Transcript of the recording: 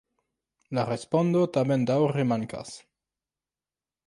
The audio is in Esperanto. La respondo tamen daŭre mankas.